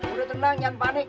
udah tenang jangan panik